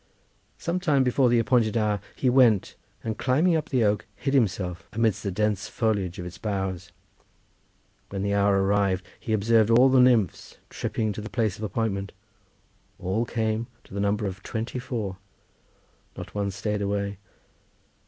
Some time before the appointed hour he went, and climbing up the oak, hid himself amidst the dense foliage of its boughs. When the hour arrived he observed all the nymphs tripping to the place of appointment; all came, to the number of twenty four, not one stayed away.